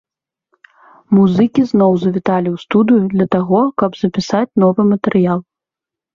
Музыкі ізноў завіталі ў студыю, для таго каб запісаць новы матэрыял.